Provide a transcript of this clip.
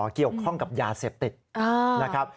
เกี่ยวข้องกับยาเสพติดนะครับ